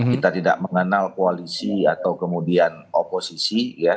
kita tidak mengenal koalisi atau kemudian oposisi